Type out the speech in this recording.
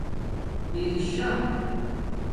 برَشا